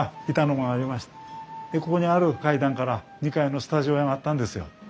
でここにある階段から２階のスタジオへ上がったんですよ。